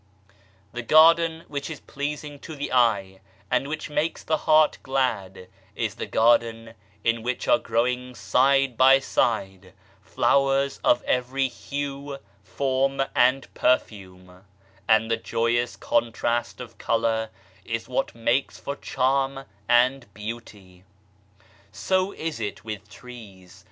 The garden which is pleasing to the eye and which makes the heart glad, is the garden in which are growing side by side flowers of every hue, form and perfume, and the joyous contrast of colour is what makes for charm and beauty. So is it with trees.